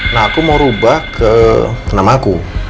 nah aku mau rubah ke nama aku